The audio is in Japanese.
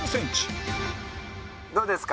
どうですか？